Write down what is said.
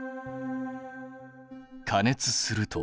加熱すると。